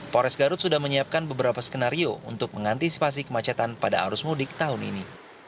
pores garut sudah menyiapkan beberapa skenario untuk mengantisipasi kemacetan pada arus mudik tahun ini